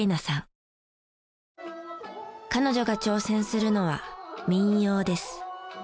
彼女が挑戦するのは民謡です。